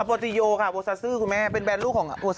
อโปรติโยค่ะโอซาซื้อคุณแม่เป็นแบรนด์ลูกของโอซาซื้อ